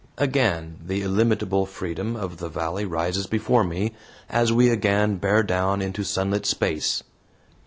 Again the illimitable freedom of the valley rises before me, as we again bear down into sunlit space.